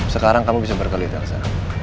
sekarang kamu bisa berkelit elsa